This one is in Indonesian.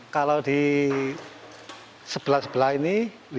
kalau di sebelah sebelah ini lima belas